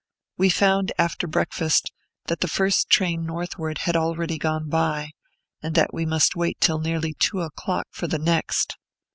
We found, after breakfast, that the first train northward had already gone by, and that we must wait till nearly two o'clock for the next.